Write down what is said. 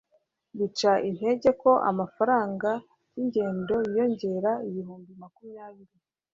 bica intege ko amafaranga yingendo yiyongera ibihumbi makumya biri